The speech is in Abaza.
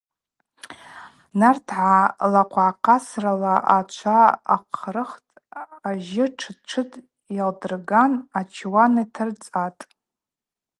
Нартргӏа лахъвгӏахъасрала ачва ахъырхтӏ, ажьы тшыт-тшыт йалдырган ачуан йтарцӏатӏ.